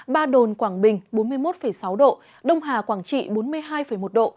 ba đồn quảng bình bốn mươi một sáu độ đông hà quảng trị bốn mươi hai một độ